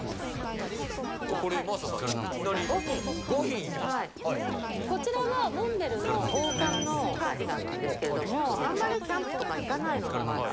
これ、真麻さん、いきなり、こちらはモンベルの防寒のカーディガンなんですけれども、あんまりキャンプとか行かないので、まだ。